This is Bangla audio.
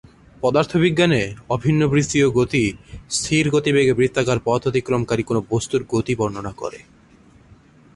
পদার্থবিজ্ঞানে, অভিন্ন বৃত্তীয় গতি,- স্থির গতিবেগে বৃত্তাকার পথ অতিক্রমকারী কোনও বস্তুর গতি বর্ণনা করে।